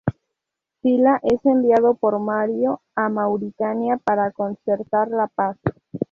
Sila es enviado por Mario a Mauritania para concertar la paz.